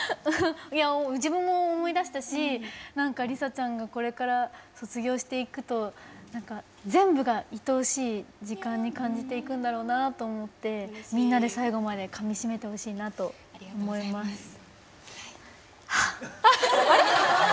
自分も思い出したし理佐ちゃんがこれから卒業していくと全部が、いとおしい時間に感じていくんだろうなと思ってみんなで、最後までかみしめてほしいなと思います。